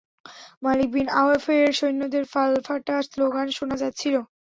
মালিক বিন আওফের সৈন্যদের ফালফাটা শ্লোগান শোনা যাচ্ছিল।